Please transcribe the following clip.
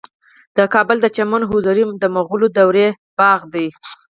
د کابل د چمن حضوري د مغلو دورې باغ دی